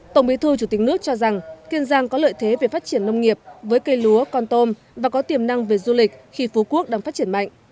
tổng bí thư chủ tịch nước cho rằng kiên giang có lợi thế về phát triển nông nghiệp với cây lúa con tôm và có tiềm năng về du lịch khi phú quốc đang phát triển mạnh